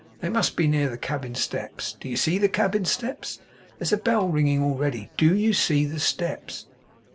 They must be near the cabin steps. Do you see the cabin steps? There's the bell ringing already! DO you see the steps?